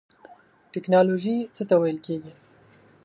ټیکنالوژی څه ته ویل کیږی؟